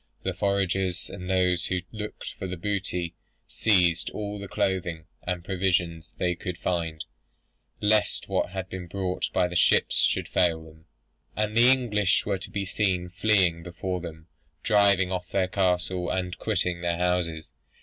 The foragers, and those who looked out for booty, seized all the clothing and provisions they could find, lest what had been brought by the ships should fail them. And the English were to be seen fleeing before them, driving off their cattle, and quitting their houses.